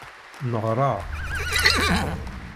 Neɣra.